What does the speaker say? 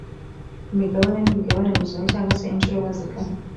imigabane n imigabane nguzanyo cyangwa se inshuro bazigamye